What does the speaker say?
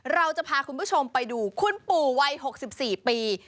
เราจะพาคุณผู้ชมไปดูคุณปู่วัย๖๔ปี